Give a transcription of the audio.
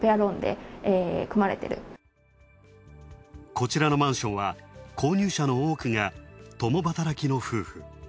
こちらのマンションは、購入者の多くが共働きの夫婦。